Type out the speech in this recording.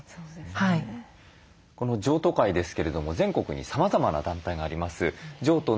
この譲渡会ですけれども全国にさまざまな団体があります。